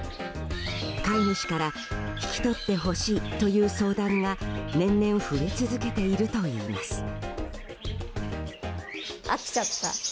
飼い主から引き取ってほしいという相談が年々増え続けているといいます。